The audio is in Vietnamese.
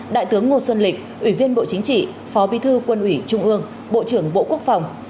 đại tướng ngô xuân lịch ủy viên bộ chính trị phó bi thư quân ủy trung ương bộ trưởng bộ quốc phòng